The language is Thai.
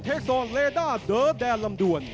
เทคโซเลด้าเดอร์แดนลำดวน